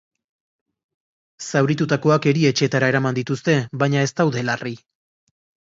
Zauritutakoak erietxeetara eraman dituzte, baina ez daude larri.